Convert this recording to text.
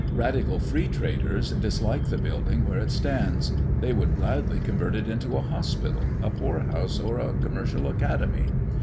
Radical Free traders dislike the building where it stands; they would gladly convert it into a hospital, a poorhouse, or a commercial academy.